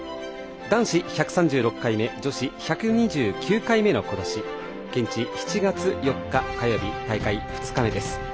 男子１３６回目女子１２９回目のこの年現地７月４日火曜日大会２日目です。